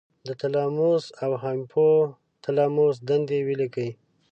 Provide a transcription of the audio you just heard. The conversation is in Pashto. د تلاموس او هایپو تلاموس دندې ولیکئ.